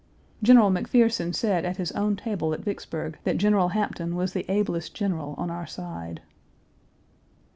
General McPherson said at his own table at Vicksburg that General Hampton was the ablest general on our side.